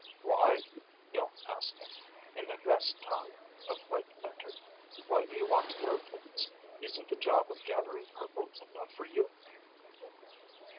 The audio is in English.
"Why?" Ilm asked him, in the Hvest tongue of light banter. "Why do you want to know things? Isn't the job of gathering purple enough for you?"